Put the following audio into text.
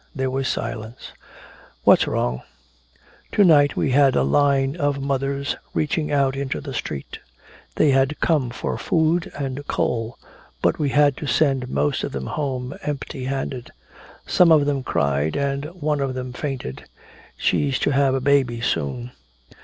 There was silence. "What's wrong?" "To night we had a line of mothers reaching out into the street. They had come for food and coal but we had to send most of them home empty handed. Some of them cried and one of them fainted. She's to have a baby soon."